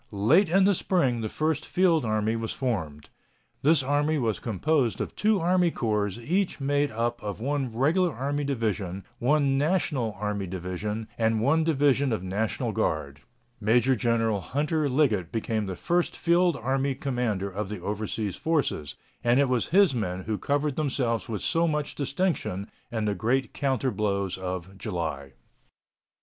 Late in the spring the first field army was formed. This army was composed of two army corps each made up of one Regular Army division, one National Army division, and one division of National Guard. Major General Hunter Liggett became the first field army commander of the overseas forces, and it was his men who covered themselves with so much distinction in the great counter blows of July.